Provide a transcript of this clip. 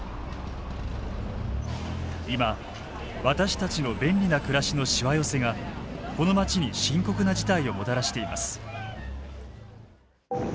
今私たちの便利な暮らしのしわ寄せがこの街に深刻な事態をもたらしています。